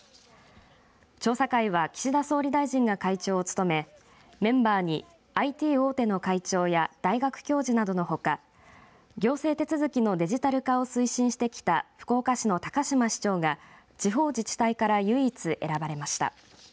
調査会は岸田総理大臣が会長を務めメンバーにＩＴ大手の会長や大学教授などのほか行政手続きのデジタル化を推進してきた福岡市の高島市長が地方自治体から唯一選ばれました。